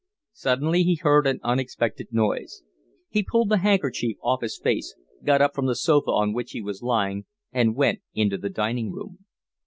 Suddenly he heard an unexpected noise. He pulled the handkerchief off his face, got up from the sofa on which he was lying, and went into the dining room.